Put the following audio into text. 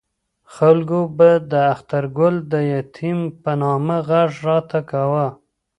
خلکو به د اخترګل د یتیم په نامه غږ راته کاوه.